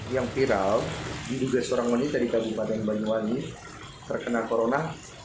yang viral diduga seorang wanita di kabupaten banyuwangi terkena corona